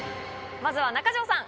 まずは中条さん